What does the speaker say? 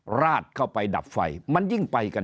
ปลาดเข้าไปดับไฟ